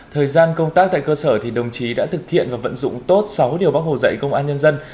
thời gian công tác tại cơ sở thì đồng chí đã thực hiện và vận dụng tốt sáu điều bác hồ dạy công an nhân dân